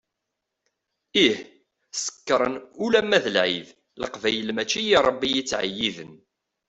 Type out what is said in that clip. Ih, sekkṛen ulamma d lεid, Leqbayel mačči i Rebbi i ttεeyyiden.